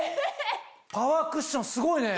パワークッションすごいね。